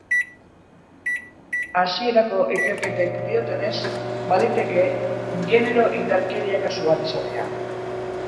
Hasierako ikerketek diotenez, baliteke genero indarkeria kasu bat izatea.